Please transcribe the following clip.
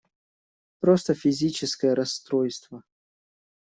Просто физическое расстройство!